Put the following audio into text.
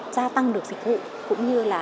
gia tăng được dịch vụ cũng như là